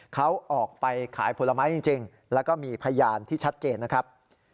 เขาออกไปขายผลไม้จริงแล้วก็มีพยานที่ชัดเจนนะครับ